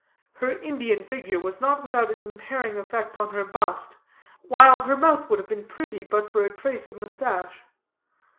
Her Indian figure was not without its impairing effect on her bust, while her mouth would have been pretty but for a trace of moustache.